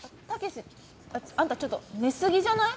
あんたちょっと寝すぎじゃない？